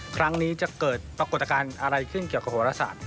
ครั้งนี้จะเกิดปรากฏการณ์อะไรขึ้นเกี่ยวกับโหรศาสต